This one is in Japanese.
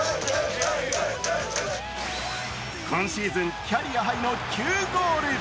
今シーズンキャリアハイの９ゴール。